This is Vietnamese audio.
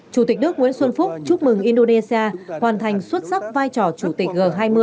chủ tịch đức nguyễn xuân phúc chúc mừng indonesia hoàn thành xuất sắc vai trò chủ tịch g hai mươi hai nghìn hai mươi hai